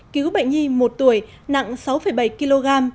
cứu bệnh nhi một tuổi nặng sáu bảy kg